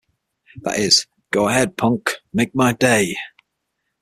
That is, 'Go ahead, punk, make my day'.